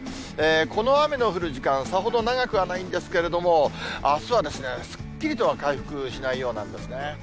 この雨の降る時間、さほど長くはないんですけれども、あすはですね、すっきりとは回復しないようなんですね。